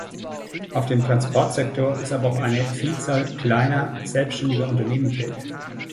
Auf dem Transportsektor ist aber auch eine Vielzahl kleiner selbständiger Unternehmen tätig.